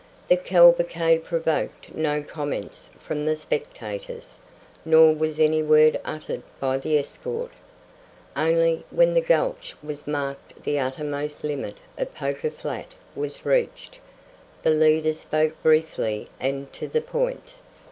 The cavalcade provoked no comments from the spectators, nor was any word uttered by the escort. Only, when the gulch which marked the uttermost limit of Poker Flat was reached, the leader spoke briefly and to the point.